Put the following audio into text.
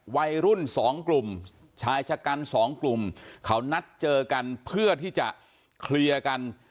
วัยรุ่นสองกลุ่มชายชะกันสองกลุ่มเขานัดเจอกันเพื่อที่จะเคลียร์กัน